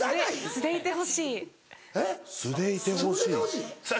素でいてほしい？